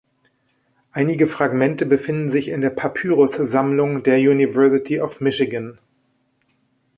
Einige Fragmente befinden sich in der Papyrussammlung der University of Michigan.